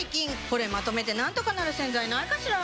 これまとめてなんとかなる洗剤ないかしら？